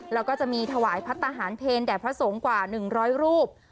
แล้วก็จะมีถวายพัฒนาหารเพลแด่พระสงฆ์กว่า๑๐๐รูป